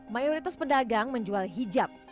mayoritas pedagang menjual hijab